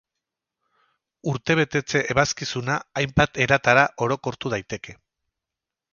Urtebetetze ebazkizuna hainbat eratara orokortu daiteke.